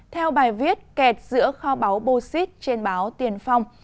theo bài viết kẹt giữa kho báu bosit trên báo tiên phong